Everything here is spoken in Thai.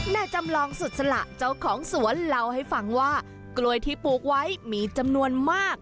จำลองสุดสละเจ้าของสวนเล่าให้ฟังว่ากล้วยที่ปลูกไว้มีจำนวนมาก